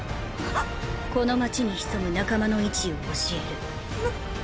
この街に潜む仲間の位置を教える。ッ！！